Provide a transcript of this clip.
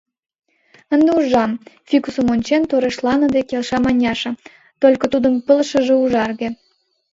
— Ынде ужам, — фикусым ончен, торешланыде келша Маняша, — только тудын пылышыже ужарге.